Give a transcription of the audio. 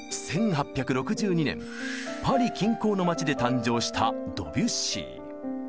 パリ近郊の町で誕生したドビュッシー。